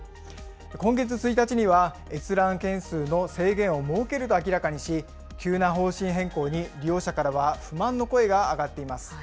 今月１日には、閲覧件数の制限を設けると明らかにし、急な方針変更に利用者からは不満の声が上がっています。